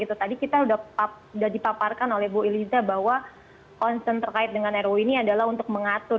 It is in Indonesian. tadi kita sudah dipaparkan oleh bu iliza bahwa concern terkait dengan ru ini adalah untuk mengatur